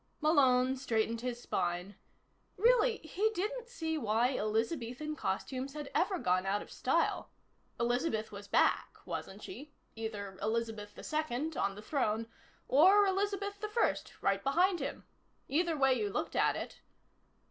Malone straightened his spine. Really, he didn't see why Elizabethan costumes had ever gone out of style. Elizabeth was back, wasn't she either Elizabeth II, on the throne, or Elizabeth I, right behind him. Either way you looked at it....